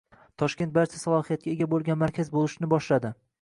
Toshkent barcha salohiyatga ega bo'lgan markaz bo'lishni boshladi